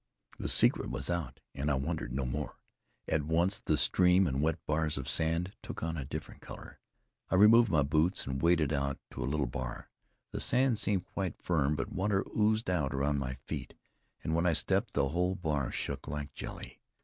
The secret was out, and I wondered no more. At once the stream and wet bars of sand took on a different color. I removed my boots, and waded out to a little bar. The sand seemed quite firm, but water oozed out around my feet; and when I stepped, the whole bar shook like jelly.